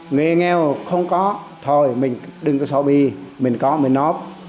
người nghèo không có thôi mình đừng có so bi mình có mình nộp